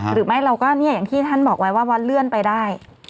หรือไม่เราก็เนี่ยอย่างที่ท่านบอกไว้ว่าวัดเลื่อนไปได้